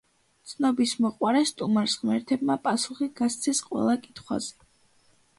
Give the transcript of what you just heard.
ცნობისმოყვარე სტუმარს ღმერთებმა პასუხი გასცეს ყველა კითხვაზე.